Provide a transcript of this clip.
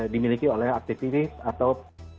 dimiliki oleh aktivis atau